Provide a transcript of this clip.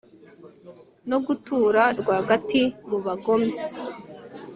no gutura rwagati mu bagome